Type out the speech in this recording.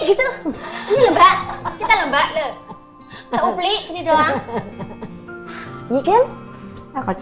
ini lembak kita lembak loh